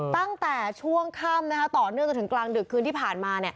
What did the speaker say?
ตั้งแต่ช่วงค่ำต่อเนื่องจนถึงกลางดึกคืนที่ผ่านมา